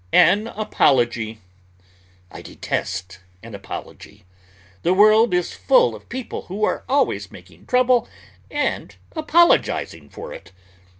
AN APOLOGY I detest an apology. The world is full of people who are always making trouble and apologizing for it.